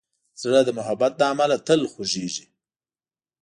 زړه د محبت له امله تل خوږېږي.